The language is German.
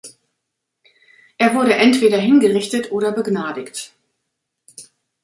Er wurde entweder hingerichtet oder begnadigt.